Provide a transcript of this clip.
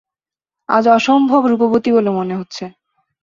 আজ অসম্ভব রূপবতী বলে মনে হচ্ছে।